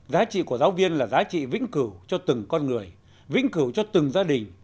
giá trị của giáo viên là giá trị vĩnh cửu cho từng con người vĩnh cửu cho từng gia đình